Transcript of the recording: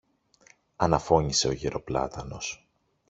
αναφώνησε ο γερο-πλάτανος.